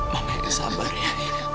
mama yang sabar ya